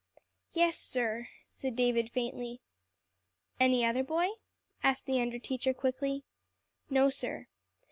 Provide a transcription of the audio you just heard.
"Yes, sir," said David faintly. "Any other boy?" asked the under teacher quickly. "No, sir."